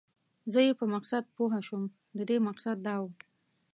زه یې په مقصد پوه شوم، د دې مقصد دا و.